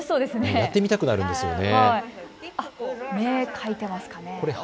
やってみたくなりますよね。